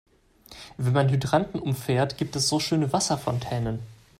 Wenn man Hydranten umfährt, gibt es so schöne Wasserfontänen.